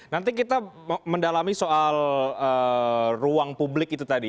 nanti kita mendalami soal ruang publik itu tadi